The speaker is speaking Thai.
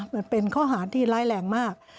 มันเป็นข้อหารที่ร้ายแรงมาก